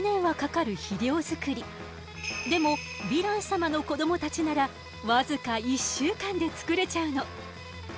でもヴィラン様の子どもたちなら僅か１週間で作れちゃうの。